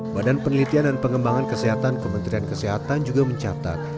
badan penelitian dan pengembangan kesehatan kementerian kesehatan juga mencatat